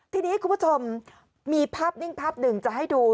ทีนี้คุณผู้ชมมีภาพนิ่งภาพหนึ่งจะให้ดู